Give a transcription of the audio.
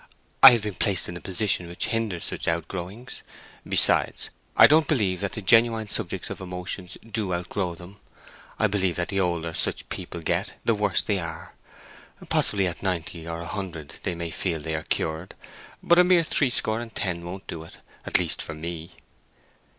"I have been placed in a position which hinders such outgrowings. Besides, I don't believe that the genuine subjects of emotion do outgrow them; I believe that the older such people get the worse they are. Possibly at ninety or a hundred they may feel they are cured; but a mere threescore and ten won't do it—at least for me."